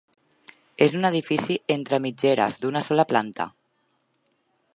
És un edifici entre mitgeres d'una sola planta.